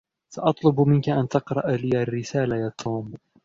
سأطلب منك أن تقرأ لي الرسالة يا توم.